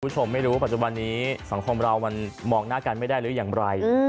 คุณผู้ชมไม่รู้ปัจจุบันนี้สังคมเรามันมองหน้ากันไม่ได้หรืออย่างไร